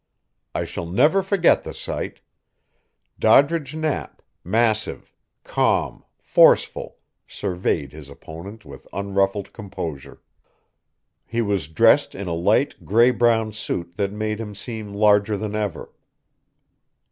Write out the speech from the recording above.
I shall never forget the sight. Doddridge Knapp, massive, calm, forceful, surveyed his opponent with unruffled composure. He was dressed in a light gray brown suit that made him seem larger than ever.